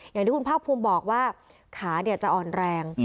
อย่างที่คุณภาคภูมิบอกว่าขาจะอ่อนแรง